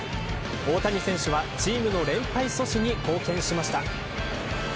大谷選手はチームの連敗阻止に貢献しました。